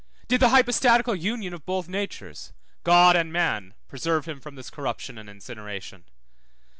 Did the hypostatical union of both natures, God and man, preserve him from this corruption and incineration?